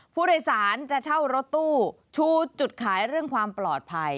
ผู้โดยสารจะเช่ารถตู้ชูจุดขายเรื่องความปลอดภัย